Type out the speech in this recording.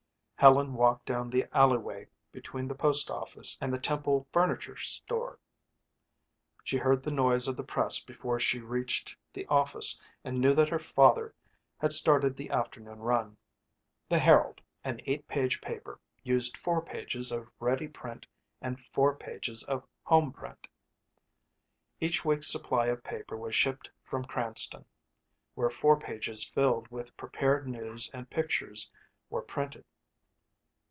Helen walked down the alleyway between the postoffice and the Temple furniture store. She heard the noise of the press before she reached the office and knew that her father had started the afternoon run. The Herald, an eight page paper, used four pages of ready print and four pages of home print. Each week's supply of paper was shipped from Cranston, where four pages filled with prepared news and pictures, were printed.